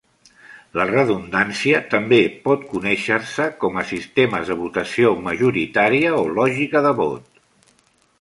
La redundància també pot conèixer-se com a "sistemes de votació majoritària" o "lògica de vot".